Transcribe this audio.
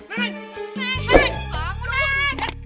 keracunan itu mba